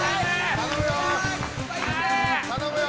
頼むよ！